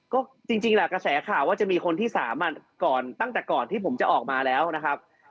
ก็จริงแหละกระแสข่าวว่าจะมีคนที่๓ก่อนตั้งแต่ก่อนที่ผมจะออกมาแล้วนะครับ